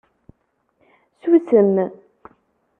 Susem